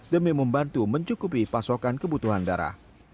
demi membantu mencukupi pasokan kebutuhan darah